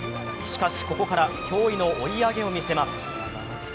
しかしここから驚異の追い上げを見せます。